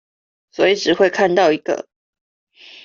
所以只會看到一個